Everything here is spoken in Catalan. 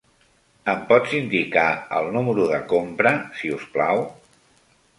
Em pots indicar el número de compra, si us plau?